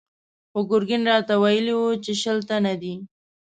خو ګرګين راته ويلي و چې شل تنه دي.